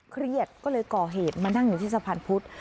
เครียดก็เลยก่อเหตุมานั่งอยู่ที่สะพานพุธ